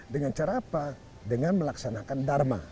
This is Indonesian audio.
dengan cara apa dengan melaksanakan dharma